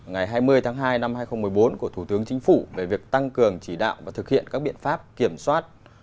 ngày hai mươi tháng hai năm hai nghìn một mươi bốn của thủ tướng chính phủ về việc tăng cường chỉ đạo và thực hiện các biện pháp kiểm soát